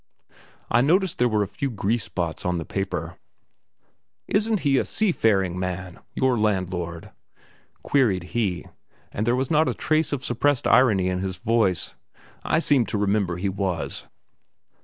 I noticed there were a few grease spots on the paper. "Isn't he a sea faring man, your landlord?" queried he, and there was not a trace of suppressed irony in his voice; "I seem to remember he was."